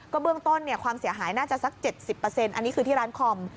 ก็เบื้องต้นเนี่ยความเสียหายน่าจะสักเจ็ดสิบเปอร์เซ็นต์อันนี้คือที่ร้านคอม